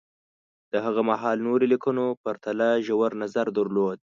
د هغه مهال نورو لیکنو پرتله ژور نظر درلود